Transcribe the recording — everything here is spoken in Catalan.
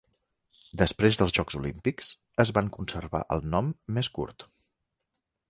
Després dels Jocs Olímpics es van conservar el nom més curt.